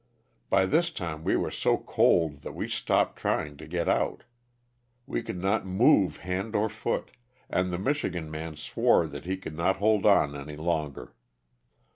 By this time we were so cold that we stopped trying to get out. We could not move hand or foot, and the Michigan man swore that he could not hold on any longer.